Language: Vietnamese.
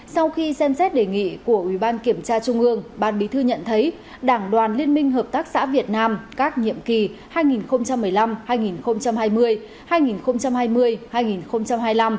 sau khi xem xét đề nghị của ủy ban kiểm tra trung ương ban bí thư nhận thấy đảng đoàn liên minh hợp tác xã việt nam các nhiệm kỳ hai nghìn một mươi năm hai nghìn hai mươi hai nghìn hai mươi hai nghìn hai mươi năm